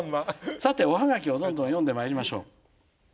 さておハガキをどんどん読んでまいりましょう。